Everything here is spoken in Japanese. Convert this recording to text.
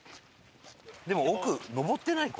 でも奥上ってない？